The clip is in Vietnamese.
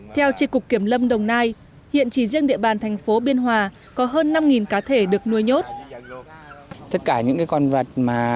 theo trị cục kiểm lâm đồng nai hiện chỉ riêng địa bàn thành phố biên hòa có hơn năm cá thể được nuôi nhốt